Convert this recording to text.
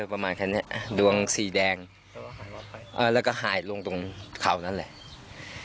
ประมาณแค่เนี้ยดวงสีแดงแล้วก็หายลงตรงเขานั่นแหละ